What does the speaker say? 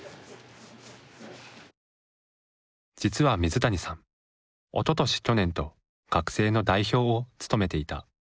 実は水谷さんおととし去年と学生の代表を務めていた。